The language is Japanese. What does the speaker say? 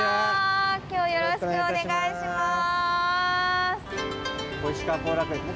よろしくお願いします。